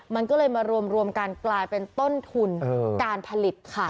มันก็เลยมารวมกันกลายเป็นต้นทุนการผลิตค่ะ